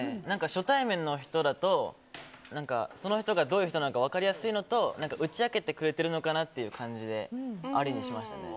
初対面の人だとその人がどういう人なのか分かりやすいのと打ち明けてくれてるのかなって感じでありにしました。